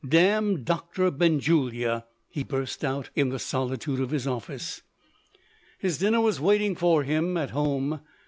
"Damn Doctor Benjulia!" he burst out, in the solitude of his office. His dinner was waiting for him at home.